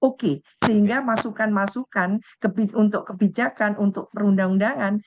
oke sehingga masukan masukan untuk kebijakan untuk perundang undangan